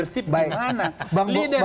sistem berpikir saya